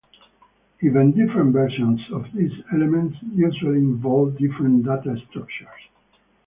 Even different versions of these elements usually involve different data structures.